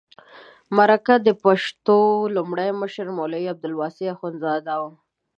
د مرکه د پښتو لومړی مشر مولوي عبدالواسع اخندزاده و.